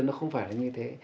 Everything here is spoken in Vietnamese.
nó không phải là như thế